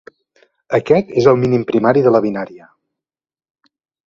Aquest és el mínim primari de la binària.